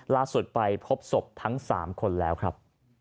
ล่าสุดไปพบศพทั้ง๓คนแล้วครับ